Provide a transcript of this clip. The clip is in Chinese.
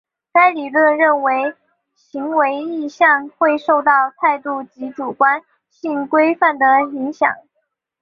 该理论认为行为意向会受到态度及主观性规范的影响。